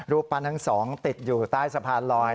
ปั้นทั้งสองติดอยู่ใต้สะพานลอย